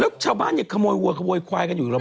แล้วชาวบ้านอย่างนี้ขโมยวัวขโมยควายกันอยู่รึเปล่า